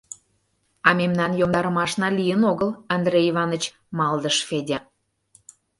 — А мемнан йомдарымашна лийын огыл, Андрей Иваныч, — малдыш Федя.